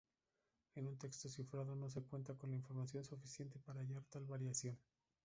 En un texto cifrado, no se cuenta con información suficiente para hallar tal variación.